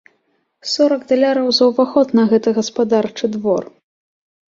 Сорак даляраў за ўваход на гэты гаспадарчы двор!